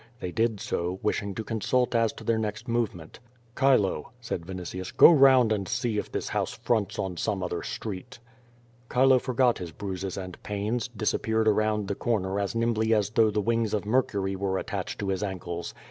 They did so, wishing to consult as to their next movement. "Chilo," said Vinitius, "go round and see if this house fronts on some other street." Chilo forgot his bruises and pains, disappeared around the corner as nimbly as though the wings of Mercury were at tached to his ankles.